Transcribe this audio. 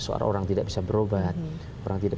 seorang orang tidak bisa berobat orang tidak